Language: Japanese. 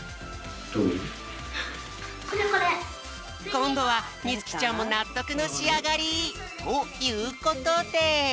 こんどはみつきちゃんもなっとくのしあがり！ということで。